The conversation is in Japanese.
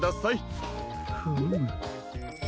フム。